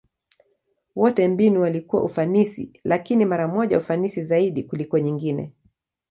Wote mbinu walikuwa ufanisi, lakini mara moja ufanisi zaidi kuliko nyingine.